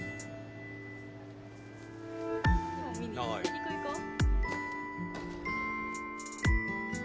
行こう行こう。